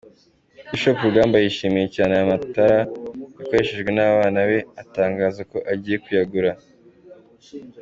Bishop Rugamba yishimiye cyane aya matara yakoreshwejwe n'abana be, atangaza ko agiye kuyagura.